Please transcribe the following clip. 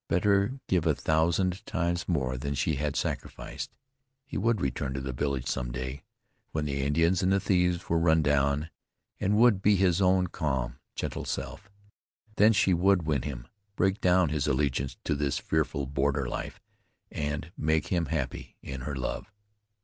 Better give a thousand times more than she had sacrificed. He would return to the village some day, when the Indians and the thieves were run down, and would be his own calm, gentle self. Then she would win him, break down his allegiance to this fearful border life, and make him happy in her love.